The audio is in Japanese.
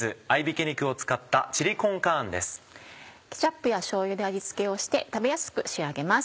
ケチャップやしょうゆで味付けをして食べやすく仕上げます。